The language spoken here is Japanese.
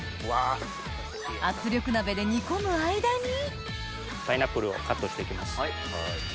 圧力鍋で煮込む間にパイナップルをカットしていきます。